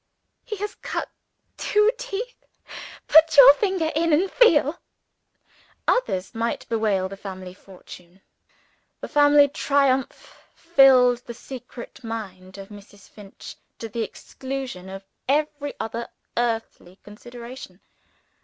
"He has cut two teeth! Put your finger in and feel." Others might bewail the family misfortune. The family triumph filled the secret mind of Mrs. Finch, to the exclusion of every other earthly consideration.